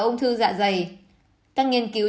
ung thư dạ dày các nghiên cứu